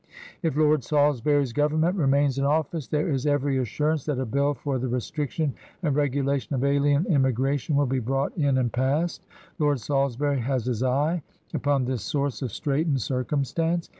If Lord Salisbury's Government remains in office, there is every assurance that a Bill for the restriction and regulation of Alien Im migration will be brought in and passed. Lord Salis bury has his eye upon this source of straitened circum stance.